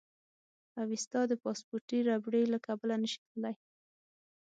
اوېستا د پاسپورتي ربړې له کبله نه شي تللی.